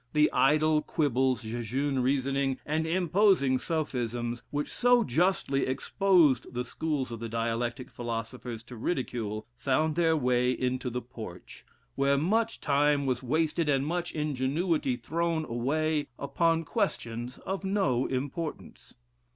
The idle quibbles, jejune reasonings, and imposing sophisms, which so justly exposed the schools of the dialectic philosophers to ridicule, found their way into the Porch, where much time was wasted, and much ingenuity thrown away, upon questions of no importance.